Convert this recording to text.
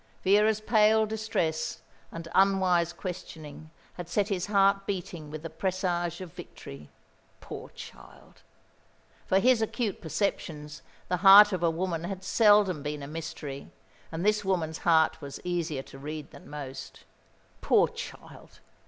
Vera's pale distress and unwise questioning had set his heart beating with the presage of victory. Poor child! For his acute perceptions, the heart of a woman had seldom been a mystery, and this woman's heart was easier to read than most. Poor child!